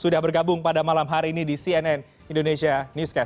sudah bergabung pada malam hari ini di cnn indonesia newscast